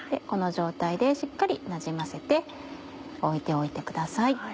この状態でしっかりなじませて置いておいてください。